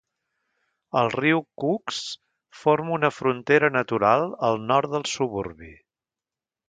El riu Cooks forma una frontera natural al nord del suburbi.